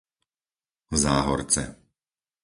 Záhorce